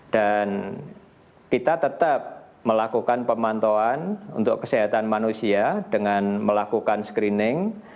dan kita tetap melakukan pemantauan untuk kesehatan manusia dengan melakukan screening